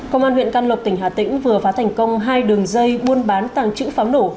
công an huyện căn lộc tỉnh hà tĩnh vừa phá thành công hai đường dây muôn bán tàng chữ pháo nổ